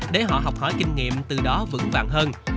để họ học hỏi kinh nghiệm từ đó vững vàng hơn